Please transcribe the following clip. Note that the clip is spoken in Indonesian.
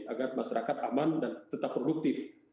agar masyarakat aman dan tetap produktif